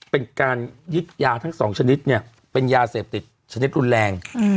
เป็นการยึดยาทั้งสองชนิดเนี่ยเป็นยาเสพติดชนิดรุนแรง